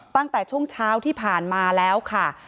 ตั้งแต่ช่วงเช้าที่ผ่านมาแล้วค่ะ